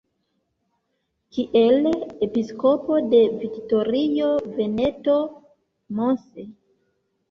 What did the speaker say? Kiel Episkopo de Vittorio Veneto, Mons.